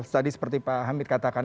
tadi seperti pak hamid katakan